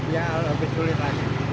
ya lebih sulit aja